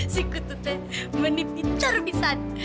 sikut tuh teh menipiter nisan